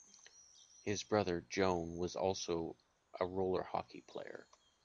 His brother Joan was also a roller hockey player.